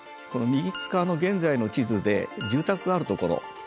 この右側の現在の地図で住宅があるところ。